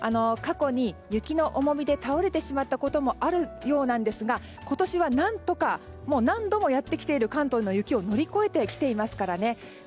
過去に雪の重みで倒れてしまったこともあるようなんですが今年は何とか、何度もやってきている関東の雪を乗り越えてきていますからね。